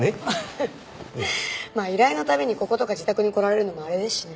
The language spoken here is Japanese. まあ依頼の度にこことか自宅に来られるのもあれですしね。